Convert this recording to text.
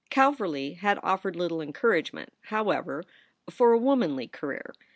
Calverly had offered little encouragement, however, for a womanly career.